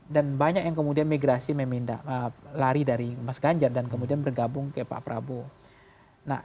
dan banyak yang kemudian migrasi lari dari mas ganjar dan kemudian bergabung ke pak prabowo